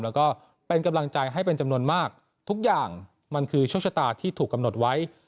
แล้วก็เป็นกำลังใจให้เป็นจำนวนมากทุกอย่างมันคือโชคชะตาที่ถูกกำหนดไว้